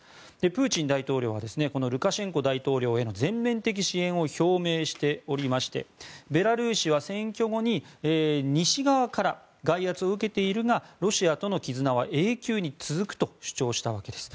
プーチン大統領はこのルカシェンコ大統領への全面的支援を表明しておりましてベラルーシは選挙後に西側から外圧を受けているがロシアとの絆は永久に続くと主張したわけです。